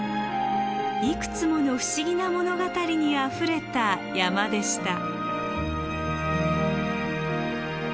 いくつもの不思議な物語にあふれた山でした。